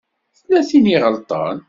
Tella tin i iɣelṭen.